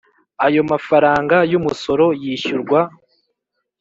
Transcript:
Ayo mafaranga y umusoro yishyurwa